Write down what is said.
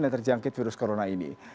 yang terjangkit virus corona ini